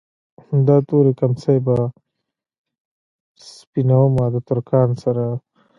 دا تورې کمڅۍ به سپينومه د ترکان سره